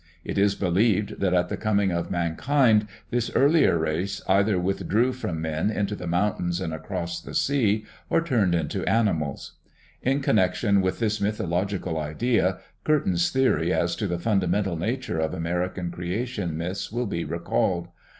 It is believed that at the coming of mankind this earlier race either withdrew from men into the mountains and across the sea or turned into animals. In connection with this mythological idea Curtin's theory as to the fundamental nature of American creation myths will be recalled.